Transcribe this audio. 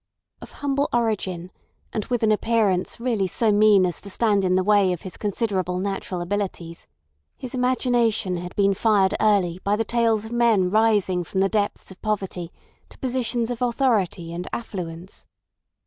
Of humble origin, and with an appearance really so mean as to stand in the way of his considerable natural abilities, his imagination had been fired early by the tales of men rising from the depths of poverty to positions of authority and affluence.